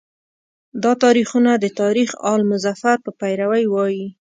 دا تاریخونه د تاریخ آل مظفر په پیروی وایي.